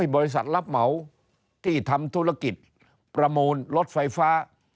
บริษัทรับเหมาที่ทำธุรกิจประมูลรถไฟฟ้า